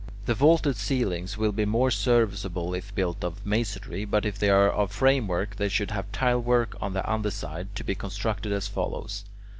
The vaulted ceilings will be more serviceable if built of masonry; but if they are of framework, they should have tile work on the under side, to be constructed as follows.